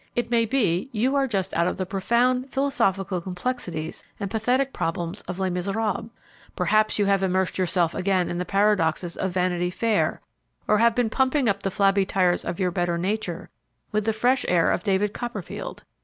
It maybe you are just out of the profound philosophical complexities and pathetic problems of "Les Miserables." Perhaps you have immersed yourself again in the paradoxes of "Vanity Fair," or have been pumping up the flabby tires of your better nature with the fresh air of "David Copperfield."